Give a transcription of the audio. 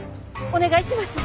お願いします！